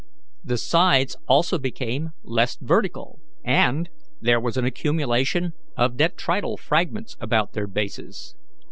The sides also became less vertical, and there was an accumulation of detrital fragments about their bases.